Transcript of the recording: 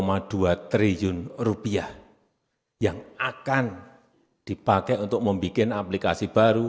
rp dua triliun rupiah yang akan dipakai untuk membuat aplikasi baru